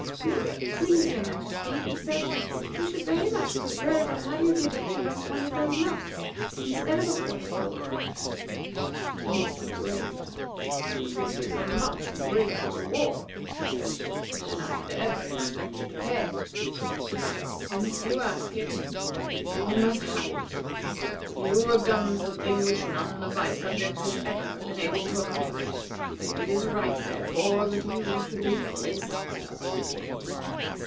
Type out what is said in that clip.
"May it please your Majesty," he said; "we should very much prefer to have you give each of us one of those nuts instead of a quart of gold." The King looked grave. "This is a much greater reward," he said, "than I had ever expected to pay; but, since you ask it, you must have it. You have done something which none of my subjects has ever been able to accomplish, and it is right, therefore, that you should be fully satisfied."